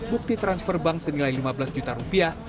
bukti transfer bank senilai lima belas juta rupiah